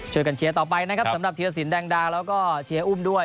เชียร์ต่อไปนะครับสำหรับธีรสินแดงดาแล้วก็เชียร์อุ้มด้วย